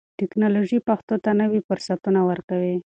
ټکنالوژي پښتو ته نوي فرصتونه ورکوي.